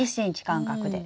１ｃｍ間隔で。